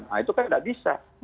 nah itu kan tidak bisa